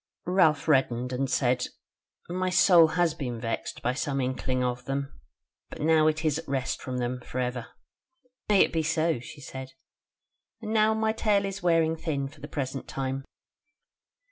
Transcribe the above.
Ralph reddened and said: "My soul has been vexed by some inkling of them; but now it is at rest from them for ever." "May it be so!" she said: "and now my tale is wearing thin for the present time.